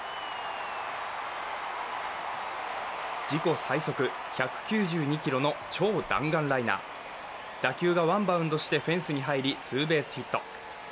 自己最速１９２キロの超弾丸ライナー打球がワンバウンドしてフェンスに入り、ツーベースヒット。